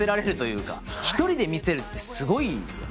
一人で見せるってすごいよね。